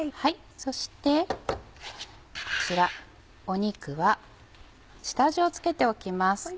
そしてこちら肉は下味を付けておきます。